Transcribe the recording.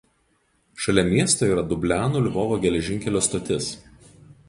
Šalia miesto yra Dublianų–Lvovo geležinkelio stotis.